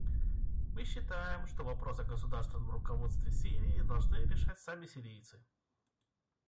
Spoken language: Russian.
Мы считаем, что вопрос о государственном руководстве Сирией должны решать сами сирийцы.